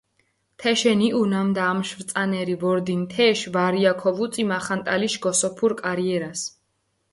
თეშენ იჸუ, ნამდა ამშვ წანერი ვორდინ თეშ ვარია ქოვუწი მახანტალიშ გოსოფურ კარიერას.